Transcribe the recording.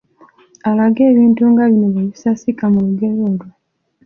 Alage ebintu nga bino bwe bisasika mu lugero olwo